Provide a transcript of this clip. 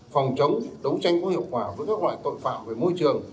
phòng chống đấu tranh có hiệu quả với các loại tội phạm về môi trường